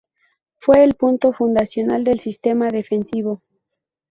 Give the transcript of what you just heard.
Fue el punto fundacional del sistema defensivo.